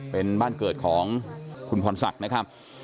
เป็นบ้านเกิดของคุณพรศักดิ์นะครับ